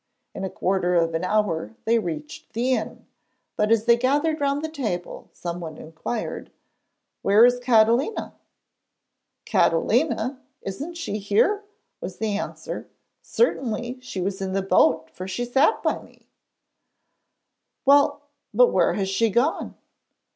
In a quarter of an hour they reached the inn, but as they gathered round the table, someone inquired: 'Where is Catalina?' 'Catalina? Isn't she here?' was the answer. 'Certainly she was in the boat, for she sat by me!' 'Well, but where has she gone?'